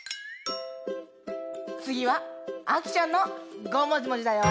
つぎはあきちゃんの「ごもじもじ」だよ。